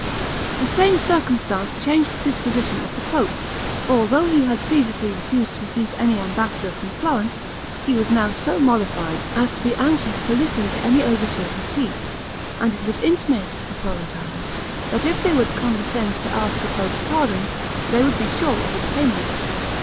The same circumstance changed the disposition of the pope; for although he had previously refused to receive any ambassador from Florence, he was now so mollified as to be anxious to listen to any overtures of peace; and it was intimated to the Florentines, that if they would condescend to ask the pope's pardon, they would be sure of obtaining it.